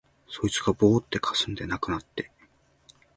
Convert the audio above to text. そいつがぼうっとかすんで無くなって、